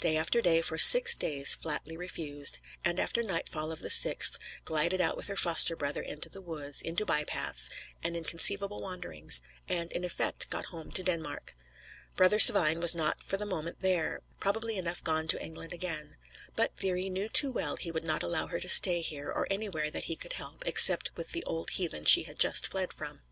Day after day, for six days, flatly refused; and after nightfall of the sixth, glided out with her foster brother into the woods, into by paths and inconceivable wanderings; and, in effect, got home to Denmark. Brother Svein was not for the moment there; probably enough gone to England again. But Thyri knew too well he would not allow her to stay here, or anywhere that he could help, except with the old heathen she had just fled from.